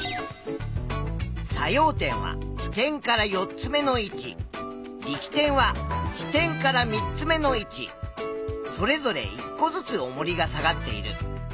作用点は支点から４つ目の位置力点は支点から３つ目の位置それぞれ１個ずつおもりが下がっている。